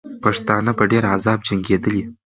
پښتانه په ډېر عذاب جنګېدلې.